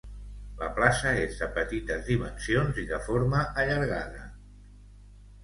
La plaça és de petites dimensions i de forma allargada.